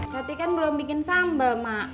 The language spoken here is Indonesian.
tapi kan belum bikin sambal mak